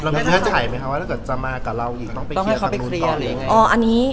แล้วมันจะหายไหมคะว่าถ้าจะมากับเราต้องให้เขาไปเคลียรอะไรยังไง